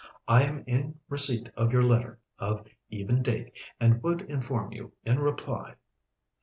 "... I am in receipt of your letter of even date, and would inform you in reply...."